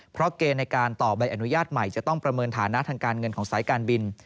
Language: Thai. เพราะเกณฑ์ในการต่อใบอนุญาตใหม่จะต้องประเมินฐานะทางการเงินของสายการบิน